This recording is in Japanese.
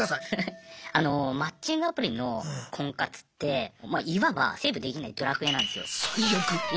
あのマッチングアプリの婚活っていわばセーブできない「ドラクエ」なんですよ。